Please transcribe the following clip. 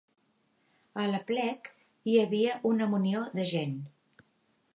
A l'aplec hi havia una munió de gent.